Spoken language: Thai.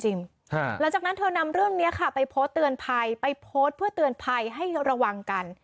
หลังจากนั้นเธอนำเรื่องนี้ค่ะไปโพสต์เตือนภัยไปโพสต์เพื่อเตือนภัยให้ระวังกัน